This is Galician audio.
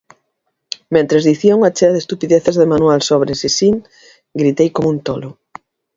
Mentres dicía unha chea de estupideces de manual sobre Cezanne, gritei como un tolo.